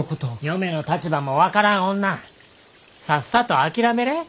嫁の立場も分からん女さっさと諦めれ。